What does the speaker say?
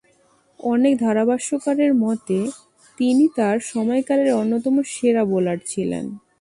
অনেক ধারাভাষ্যকারের মতে, তিনি তার সময়কালের অন্যতম সেরা বোলার ছিলেন।